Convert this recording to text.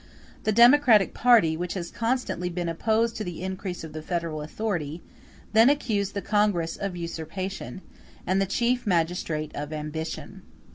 The Democratic party, which has constantly been opposed to the increase of the federal authority, then accused the Congress of usurpation, and the Chief Magistrate of ambition.